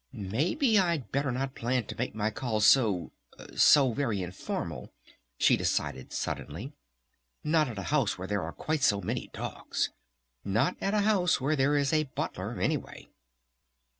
"Maybe I'd better not plan to make my call so so very informal," she decided suddenly. "Not at a house where there are quite so many dogs! Not at a house where there is a butler ... anyway!"